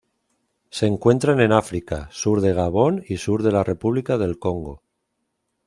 Se encuentran en África: sur de Gabón y sur de la República del Congo.